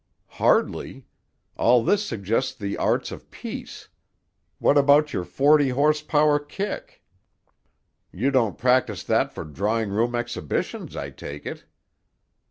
"Hardly. All this suggests the arts of peace. What about your forty horse power kick? You don't practise that for drawing room exhibitions, I take it?"